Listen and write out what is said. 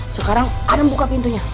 sekarang adam buka pintunya